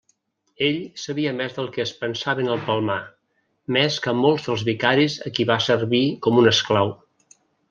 Ell sabia més del que es pensaven al Palmar; més que molts dels vicaris a qui va servir com un esclau.